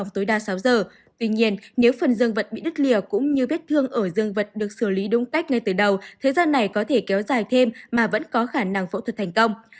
tuy nhiên nếu phần dương vật bị đứt lìa cũng như vết thương ở dương vật được xử lý đúng cách ngay từ đầu thời gian này có thể kéo dài thêm mà vẫn có khả năng phẫu thuật thành công